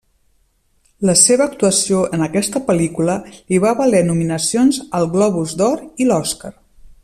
La seva actuació en aquesta pel·lícula li va valer nominacions al Globus d'Or i l'Oscar.